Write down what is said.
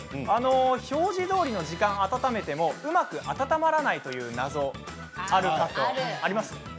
表示どおりの時間温めてもうまく温まらないという謎あると思います。